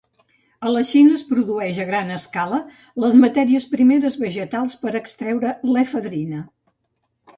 A la Xina es produeix a gran escala les matèries primeres vegetals per extreure l'efedrina.